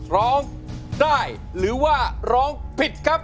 ร้องได้หรือว่าร้องผิดครับ